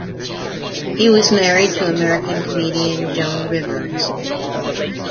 He was married to American comedian Joan Rivers.